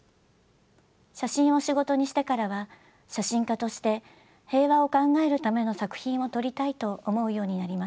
写真を仕事にしてからは写真家として平和を考えるための作品を撮りたいと思うようになりました。